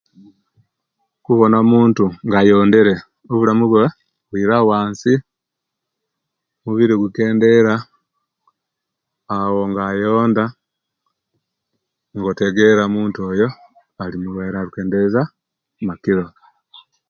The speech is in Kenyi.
Kubona omuntu nga ayondere obulamu bwe bwira bwansi, omubiri gukendera awo nga ayonda bwotwgera omuntu oyo alimulwaire alikendeza amakilo